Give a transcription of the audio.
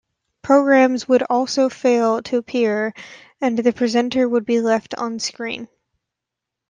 Programmes would also fail to appear and the presenter would be left on screen.